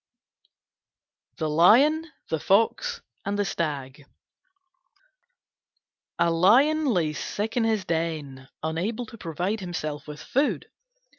THE LION, THE FOX, AND THE STAG A Lion lay sick in his den, unable to provide himself with food.